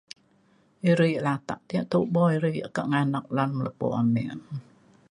ire yak latak yak tubo ire yak kak nganak alem lepo ame